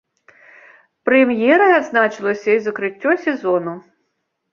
Прэм'ерай адзначылася і закрыццё сезону.